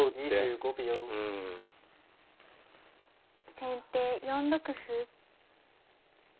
先手４六歩。